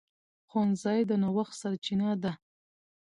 ښوونځی د نوښت سرچینه ده